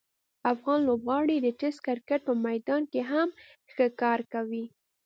افغان لوبغاړي د ټسټ کرکټ په میدان کې هم ښه کار کوي.